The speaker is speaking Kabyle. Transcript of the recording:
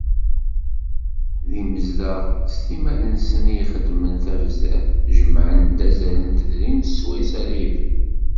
D imezdaɣ s timmad-nsen i ixeddmen tabzert, jemmɛen-d azal n tedrimt swayes ara ibedd.